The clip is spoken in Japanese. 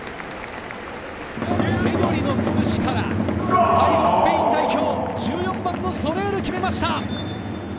ペドリの崩しから最後スペイン代表１４番のソレール、決めました。